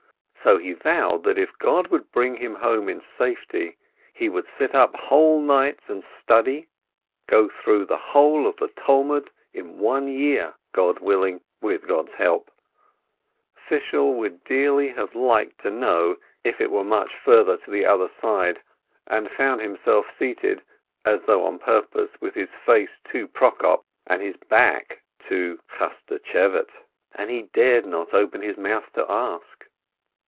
So he vowed that if God would bring him home in safety, he would sit up whole nights and study, go through the whole of the Talmud in one year, God willing, with God's help. Fishel would dearly have liked to know if it were much further to the other side, and found himself seated, as though on purpose, with his face to Prokop and his back to Chaschtsc'hevate. And he dared not open his mouth to ask.